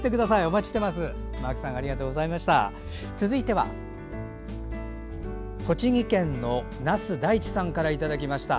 続いて栃木県の那須大地さんからいただきました。